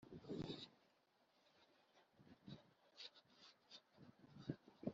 Ubwinshi bwabantu siwo musaruro batanga